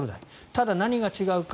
ただ、何が違うか。